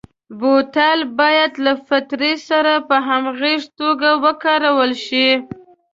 بوتل باید له فطرت سره په همغږي توګه وکارول شي.